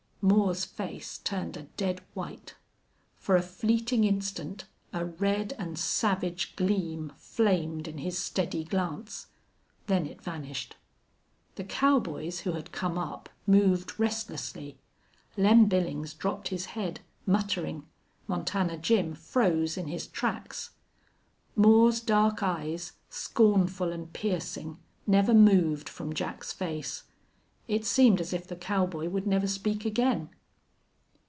Moore's face turned a dead white. For a fleeting instant a red and savage gleam flamed in his steady glance. Then it vanished. The cowboys, who had come up, moved restlessly. Lem Billings dropped his head, muttering. Montana Jim froze in his tracks. Moore's dark eyes, scornful and piercing, never moved from Jack's face. It seemed as if the cowboy would never speak again.